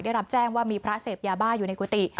ได้รับแจ้งว่ามีพระเสพยาบ้าอยู่ในกุฏิ